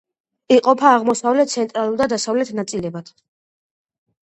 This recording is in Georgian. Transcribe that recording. იყოფა აღმოსავლეთ, ცენტრალურ და დასავლეთ ნაწილებად.